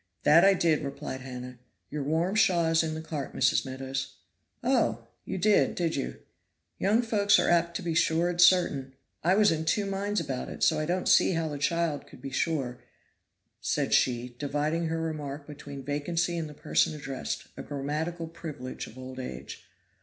"That I did," replied Hannah. "Your warm shawl is in the cart, Mrs. Meadows." "Oh! you did, did you. Young folks are apt to be sure and certain. I was in two minds about it, so I don't see how the child could be sure," said she, dividing her remark between vacancy and the person addressed a grammatical privilege of old age.